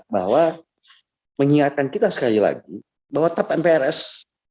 bahwa mengingatkan kita sekali lagi bahwa tap mprs